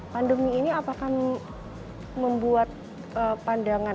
pandemi ini apakah membuat pandangan